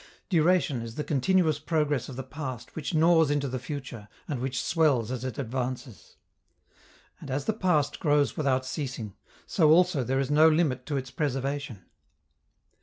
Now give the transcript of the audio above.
Duration is the continuous progress of the past which gnaws into the future and which swells as it advances. And as the past grows without ceasing, so also there is no limit to its preservation.